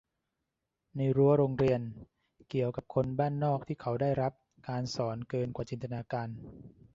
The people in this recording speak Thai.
ในรั้วโรงเรียนเกี่ยวกับคนบ้านนอกที่เขาได้รับการสอนเกินกว่าจินตนาการ